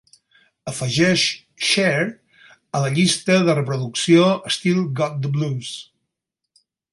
Afegeix Cher a la llista de reproducció Still Got the Blues